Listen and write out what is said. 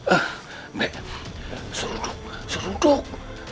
eh mbak seruduk seruduk